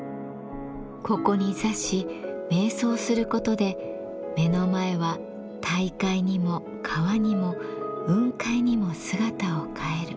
ここに座し瞑想することで目の前は大海にも川にも雲海にも姿を変える。